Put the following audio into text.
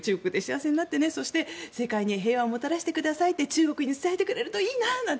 そして、世界に平和をもたらしてくださいって中国に伝えてくれるといいななんて